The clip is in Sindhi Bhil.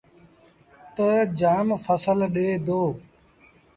تا جآم ڦسل ڏي دو۔